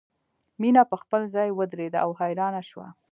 مینه په خپل ځای ودریده او حیرانه شوه